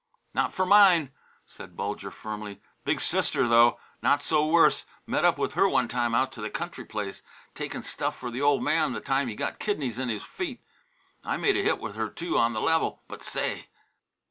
"Not for mine," said Bulger firmly. "Big sister, though, not so worse. Met up with her one time out to the country place, takin' stuff for the old man the time he got kidneys in his feet. I made a hit with her, too, on the level, but say!